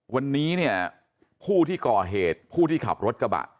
วันนี้เนี่ยผู้ที่ก่อเหตุผู้ที่ขับรถกระบะ